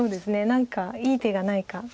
何かいい手がないか。